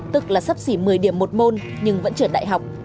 tức là sắp xỉ một mươi điểm một môn nhưng vẫn trượt đại học